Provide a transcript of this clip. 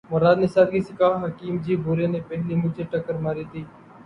مراد نے سادگی سے کہا:”حکیم جی! بھوری نے پہلے مجھے ٹکر ماری تھی۔